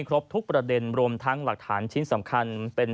ครบทุกประเด็นรวมทั้งหลักฐานชิ้นสำคัญเป็น